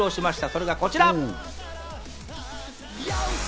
それがこちら！